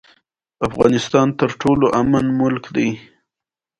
د شاه جوی او ګیلان بزګرو درمندونه ټول کړي وو.